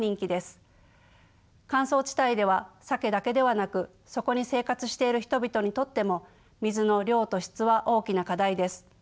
乾燥地帯ではサケだけではなくそこに生活している人々にとっても水の量と質は大きな課題です。